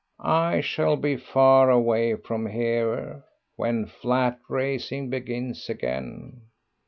I shall be far away from here when flat racing begins again.